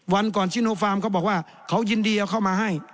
วันก่อนชิโนฟาร์มเขาบอกว่าเขายินดีเอาเข้ามาให้